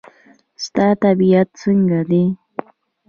ستا طبیعت څنګه دی؟